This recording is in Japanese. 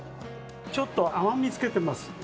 ちょっと甘みつけてます。